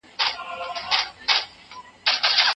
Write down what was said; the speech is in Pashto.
ژوند د صداقت څراغ دئ